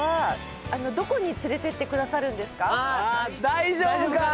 大丈夫かな？